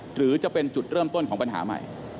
หรือจะเป็นจุดเริ่มต้นของปัญหาใหม่